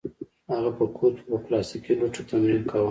هغه په کور کې په پلاستیکي لوټه تمرین کاوه